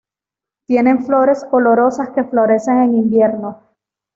Tienen flores olorosas que florecen en invierno.